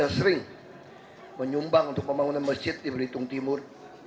saya sering menyumbang untuk pembangunan masjid di belitung timur